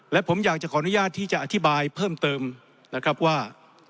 และผมอยากจะขออนุญาตที่จะอธิบายเพิ่มเติมนะครับว่า